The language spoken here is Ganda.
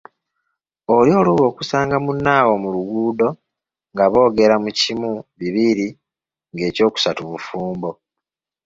Oli oluba okusanga munne awo mu luguudo, nga boogera mu kimu bibiri, ng’ekyokusatu bufumbo.